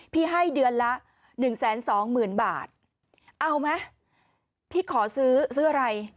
พี่ให้เดือนละ๑๒๐๐๐๐บาทเอาไหมพี่ขอซื้อเสื้ออะไร